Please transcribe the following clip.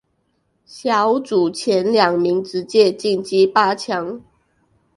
小组前两名直接晋级八强。